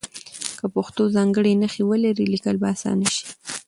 که پښتو ځانګړې نښې ولري لیکل به اسانه شي.